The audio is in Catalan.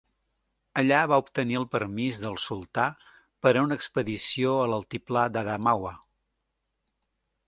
Allà, va obtenir el permís del sultà per a una expedició a l'altiplà d'Adamawa.